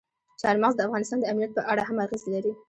چار مغز د افغانستان د امنیت په اړه هم اغېز لري.